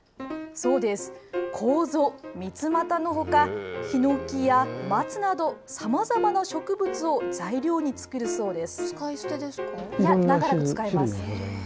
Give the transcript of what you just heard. そうです、コウゾ、みつまたのほか、ヒノキやマツなど、さまざまな植物を材料に作るそうです。